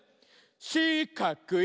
しかくい！